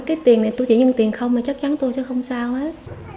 cái tiền này tôi chỉ nhận tiền không thì chắc chắn tôi sẽ không sao hết